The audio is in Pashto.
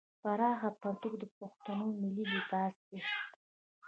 پراخ پرتوګ د پښتنو ملي لباس دی.